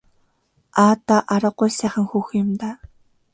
Аа даа аргагүй л сайхан хүүхэн юм даа.